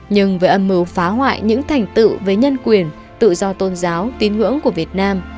nhưng với âm mưu phá hoại những thành tựu với nhân quyền tự do tôn giáo tín ngưỡng của việt nam